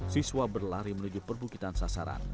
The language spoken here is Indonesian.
siswa berlari menuju perbukitan sasaran